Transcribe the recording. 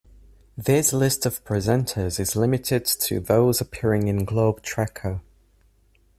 This list of presenters is limited to those appearing in Globe Trekker.